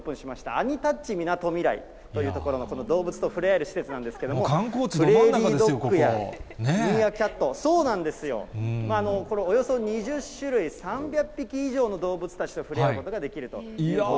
アニタッチみなとみらいという所のこの動物と触れ合える施設なんですけれども、プレーリードッグやミーアキャット、このおよそ２０種類３００匹以上の動物たちと触れ合えることができると。